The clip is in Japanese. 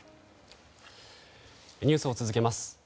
ニュースを続けます。